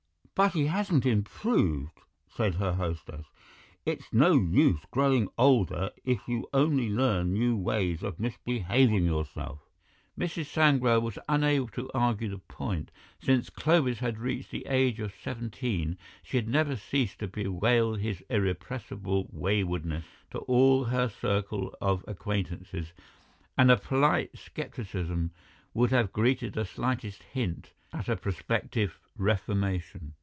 "But he hasn't improved," said her hostess; "it's no use growing older if you only learn new ways of misbehaving yourself." Mrs. Sangrail was unable to argue the point; since Clovis had reached the age of seventeen she had never ceased to bewail his irrepressible waywardness to all her circle of acquaintances, and a polite scepticism would have greeted the slightest hint at a prospective reformation.